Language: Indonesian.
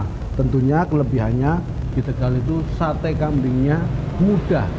nah tentunya kelebihannya di tegal itu sate kambingnya mudah